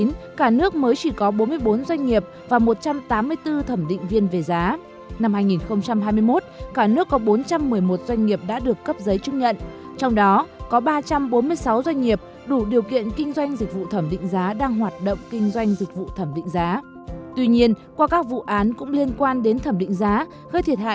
năm hai nghìn hai mươi ba bộ tài chính cũng đã thu hồi hai mươi sáu giấy chứng nhận đủ điều kiện kinh doanh dịch vụ thẩm định giá đình chỉ kinh doanh đối với một mươi sáu doanh nghiệp thẩm định giá